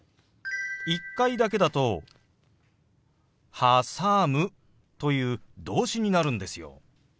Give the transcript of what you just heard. １回だけだと「はさむ」という動詞になるんですよ。